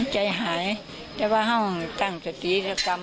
ใจหายแต่ว่าห้องตั้งสติกรรม